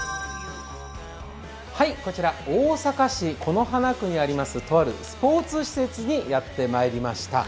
こちら、大阪市此花区にあります、とあるスポーツ施設にやってまいりました。